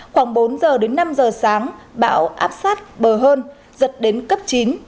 khoảng bốn giờ đến năm giờ sáng bão áp sát bờ hơn giật đến cấp chín